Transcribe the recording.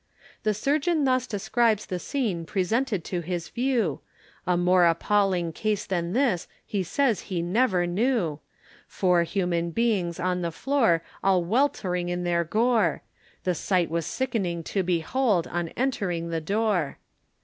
The surgeon thus describes the scene presented to his view, A more appalling case than this he says he never knew, Four human beings on the floor all weltering in their gore, The sight was sickening to behold on entering the door.